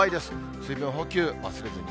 水分補給忘れずに。